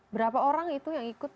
berapa orang itu yang ikut